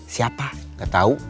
siapa gak tau